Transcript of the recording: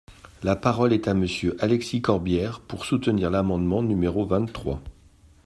La parole est à Monsieur Alexis Corbière, pour soutenir l’amendement numéro vingt-trois.